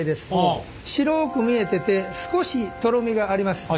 白く見えてて少しとろみがあります。